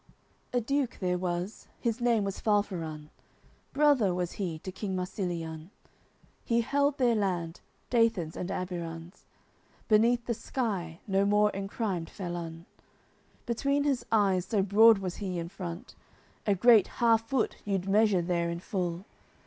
AOI. XCIV A duke there was, his name was Falfarun, Brother was he to King Marsiliun, He held their land, Dathan's and Abirun's; Beneath the sky no more encrimed felun; Between his eyes so broad was he in front A great half foot you'ld measure there in full.